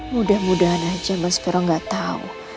mudah mudahan aja mas fero gak tau